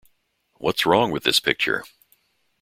What's Wrong with This Picture?